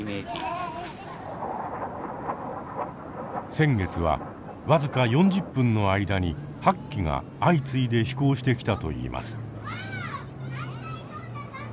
先月は僅か４０分の間に８機が相次いで飛行してきたといいます。